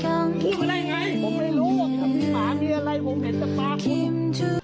กูไม่ได้ไงผมไม่รู้ถ้ามีหมามีอะไรผมเห็นตะปาก